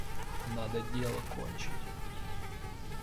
Надо дело кончить.